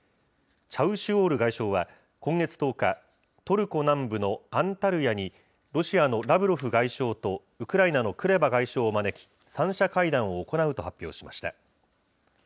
チャウシュオール外相は、今月１０日、トルコ南部のアンタルヤに、ロシアのラブロフ外相とウクライナのクレバ外相を招き、３者会談を行うと発表しました。